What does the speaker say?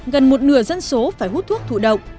gần một nửa dân số phải hút thuốc thụ động